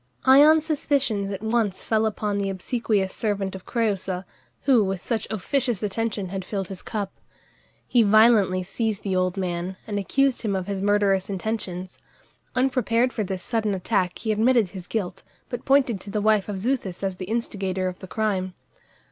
Ion's suspicions at once fell upon the obsequious servant of Crëusa, who with such officious attention had filled his cup. He violently seized the old man, and accused him of his murderous intentions. Unprepared for this sudden attack he admitted his guilt, but pointed to the wife of Xuthus as the instigator of the crime.